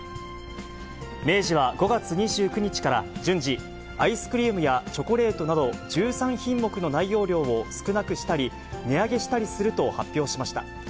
明治は５月２９日から順次、アイスクリームやチョコレートなど、１３品目の内容量を少なくしたり、値上げしたりすると発表しました。